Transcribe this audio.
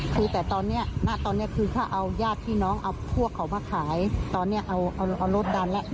คือแต่ตอนนี้ณตอนนี้คือถ้าเอาญาติพี่น้องเอาพวกเขามาขายตอนนี้เอารถดันแล้ว